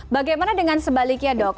bagaimana dengan sebaliknya dok